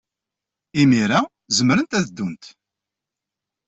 Imir-a, zemrent ad ddunt.